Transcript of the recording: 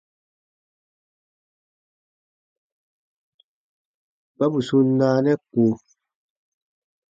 Kpa bù sun naanɛ ko.